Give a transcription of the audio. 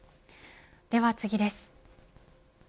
では次です。